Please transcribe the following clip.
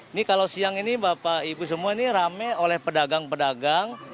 ini kalau siang ini bapak ibu semua ini rame oleh pedagang pedagang